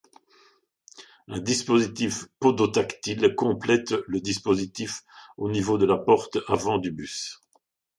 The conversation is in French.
Un dispositif podotactile complète le dispositif au niveau de la porte avant du bus.